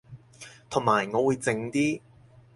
同埋我會靜啲